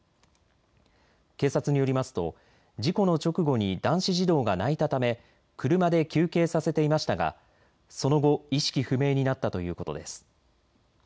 警察によりますと事故の直後に男子児童が泣いたため車で休憩させていましたがその後意識不明になったということです。